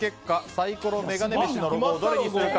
サイコロメガネ飯のロゴをどうするか。